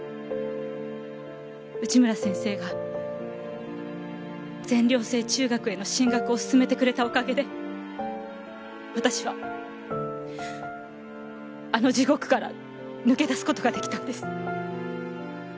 内村先生が全寮制中学への進学を勧めてくれたおかげで私はあの地獄から抜け出す事が出来たんです。